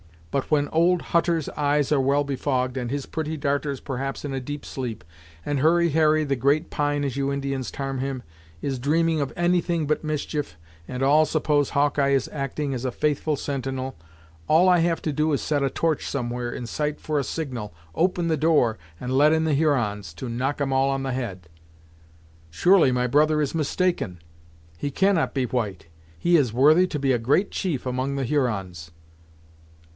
But when old Hutter's eyes are well befogged, and his pretty darters perhaps in a deep sleep, and Hurry Harry, the Great Pine as you Indians tarm him, is dreaming of any thing but mischief, and all suppose Hawkeye is acting as a faithful sentinel, all I have to do is set a torch somewhere in sight for a signal, open the door, and let in the Hurons, to knock 'em all on the head." "Surely my brother is mistaken. He cannot be white! He is worthy to be a great chief among the Hurons!"